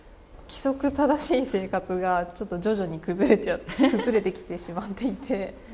規則正しい生活がちょっと徐々に崩れてきてしまっていて。